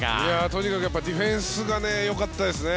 とにかくやっぱりディフェンスがよかったですね。